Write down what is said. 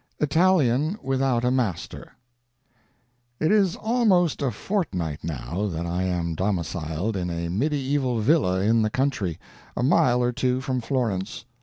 ITALIAN WITHOUT A MASTER It is almost a fortnight now that I am domiciled in a medieval villa in the country, a mile or two from Florence.